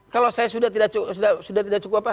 kalau saya sudah tidak cukup apa